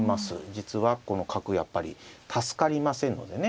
実はこの角やっぱり助かりませんのでね。